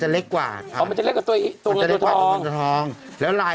อะไรเถอะโอ๊ย